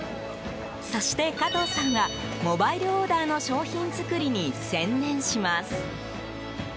そして、加藤さんはモバイルオーダーの商品作りに専念します。